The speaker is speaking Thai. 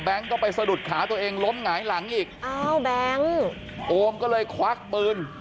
ก็ไปสะดุดขาตัวเองล้มหงายหลังอีกอ้าวแบงค์โอมก็เลยควักปืน